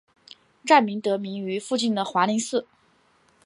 站名得名于附近的华林寺。